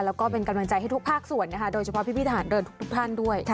แล้วก็เป็นกำลังใจให้ทุกภาคส่วนนะคะโดยเฉพาะพี่ทหารเดินทุกท่านด้วย